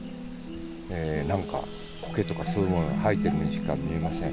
何かコケとかそういうものが生えてるようにしか見えません。